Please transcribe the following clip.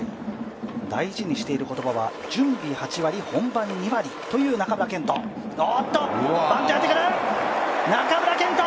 大事にしてる言葉は「準備８割・本番２割」という中村健人。